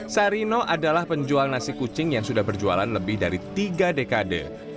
sarino adalah penjual nasi kucing yang sudah berjualan lebih dari tiga dekade